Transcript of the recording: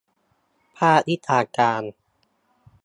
ภาควิชาการ